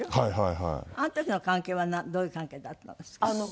あの時の関係はどういう関係だったんですか？